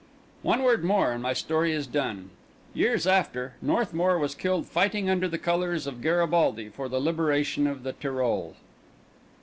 One word more, and my story is done. Years after, Northmour was killed fighting under the colours of Garibaldi for the liberation of the Tyrol.